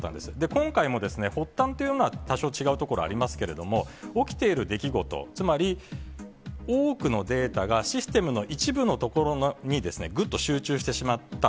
今回も、発端というのは多少違うところありますけれども、起きている出来事、つまり多くのデータがシステムの一部のところにぐっと集中してしまった。